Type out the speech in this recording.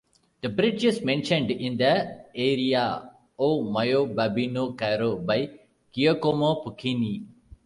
The bridge is mentioned in the aria "O mio babbino caro" by Giacomo Puccini.